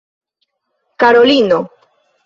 Karolino!